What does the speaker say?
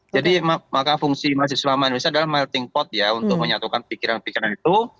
jadi maka fungsi masjid sulamanya indonesia adalah melting pot ya untuk menyatukan pikiran pikiran itu